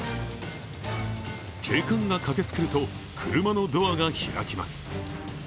警官が駆けつけると車のドアが開きます。